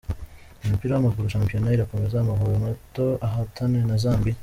Mu mupira w’amaguru, Shampiyona irakomeza, Amavubi mato ahatane na Zambia.